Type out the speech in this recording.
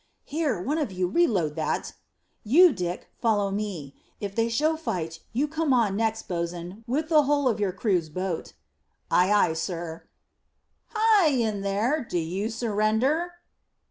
Here, one of you, reload that. You, Dick, follow me. If they show fight, you come on next, bo's'n, with the whole of your boat's crew." "Ay, ay, sir." "Hi! In there. Do you surrender?"